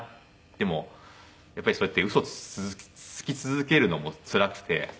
でもやっぱりそうやって嘘をつき続けるのもつらくて。